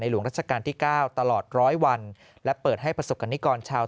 หลวงราชการที่๙ตลอดร้อยวันและเปิดให้ประสบกรณิกรชาว